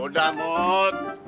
udah udah mut